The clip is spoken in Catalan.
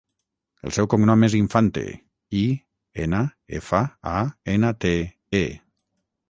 El seu cognom és Infante: i, ena, efa, a, ena, te, e.